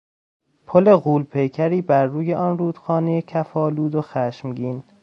پل غول پیکری بر روی آن رودخانهی کف آلود و خشمگین